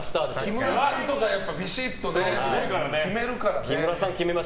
木村さんとかビシッと決めるからね。